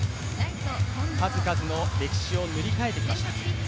数々の歴史を塗り替えてきました。